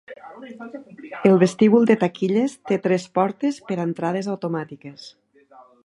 El vestíbul de taquilles té tres portes per a entrades automàtiques.